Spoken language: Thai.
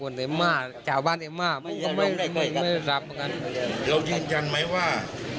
เราเรียนยันว่า